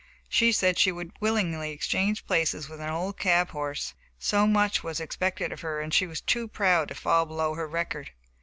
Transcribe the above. She said she would willingly exchange places with an old cab horse. So much was expected of her, and she was too proud to fall below her record.